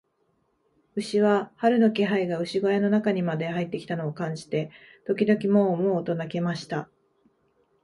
牛は、春の気配が牛小屋の中にまで入ってきたのを感じて、時々モウ、モウと鳴きました。